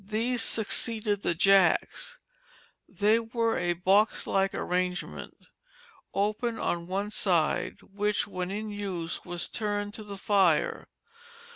These succeeded the jacks; they were a box like arrangement open on one side which when in use was turned to the fire.